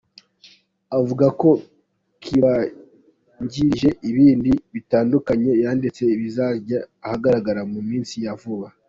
Avuga ko kibanjirije ibindi bitandukanye yanditse bizajya ahagaragara mu minsi ya vuba.